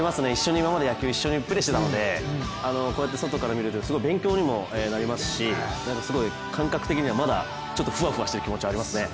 今まで一緒にプレーしていたのでこうやって外から見るとすごい勉強にもなりますし、すごい感覚的にはまだふわふわしている気持ちがありますね。